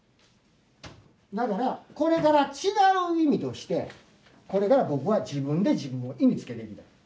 だからこれから違う意味としてこれから僕は自分で自分の意味つけていくねん。